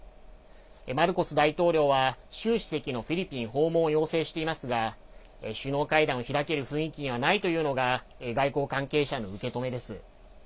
マルコス大統領は習主席のフィリピン訪問を要請していますが首脳会談を開ける雰囲気ではないというのが外交関係者の受け止めです。